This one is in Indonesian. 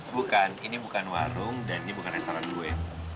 bukan ini bukan warung dan ini bukan restoran duet